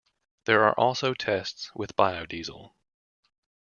There are also tests with Biodiesel.